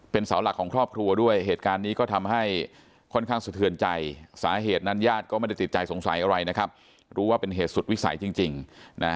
เป็นเสาหลักของครอบครัวด้วยเหตุการณ์นี้ก็ทำให้ค่อนข้างสะเทือนใจสาเหตุนั้นญาติก็ไม่ได้ติดใจสงสัยอะไรนะครับรู้ว่าเป็นเหตุสุดวิสัยจริงนะ